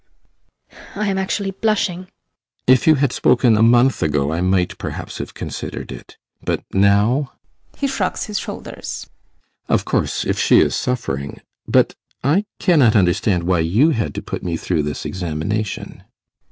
[A pause] I am actually blushing. ASTROFF. If you had spoken a month ago I might perhaps have considered it, but now [He shrugs his shoulders] Of course, if she is suffering but I cannot understand why you had to put me through this examination.